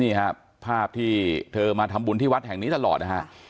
นี่ครับภาพที่เธอมาทำบุญที่วัดแห่งนี้ตลอดนะฮะ